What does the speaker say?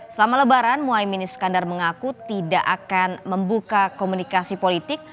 selama lebaran muhaymin iskandar mengaku tidak akan membuka komunikasi politik